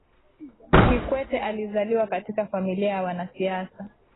kikwete alizaliwa katika familia ya wanasiasa